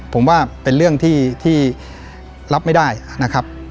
ผมว่าเป็นเรื่องที่รับไม่ได้นะครับ